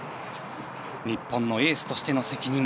日本のエースとしての責任。